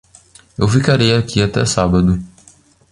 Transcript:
Eu ficarei aqui até sábado.